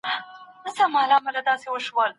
لږ وزړه ته مي ارام او سکون غواړم